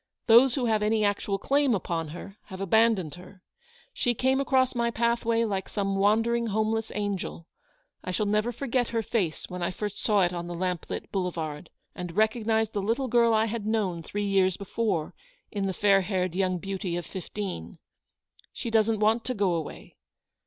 Those who have any actual claim upon her have abandoned her. She came across my pathway like some wandering homeless angel. I shall never forget her face when I first saw it on the lamplit boulevard, and recognised the little girl I had known three years before in the fair haired young beauty of fifteen. She doesn't want to go away.